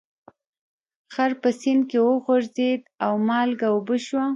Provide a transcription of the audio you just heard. خر په سیند کې وغورځید او مالګه اوبه شوه.